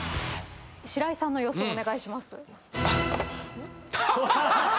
白井さんの予想お願いします。